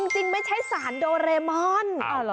จริงไม่ใช่สารโดเรมอน